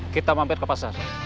kita mampir ke pasar